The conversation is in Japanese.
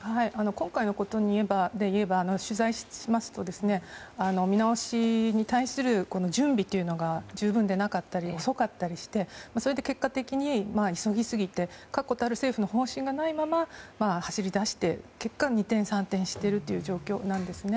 今回のことで言えば取材をしますと見直しに対する準備というのが十分でなかったり遅かったりしてそれで結果的に、急ぎすぎて確固たる政府の方針がないまま走り出して結果、二転三転している状況なんですね。